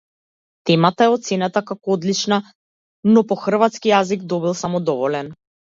Темата е оценета како одлична, но по хрватски јазик добил само доволен.